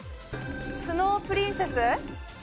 『スノープリンセス』？